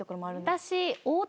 私。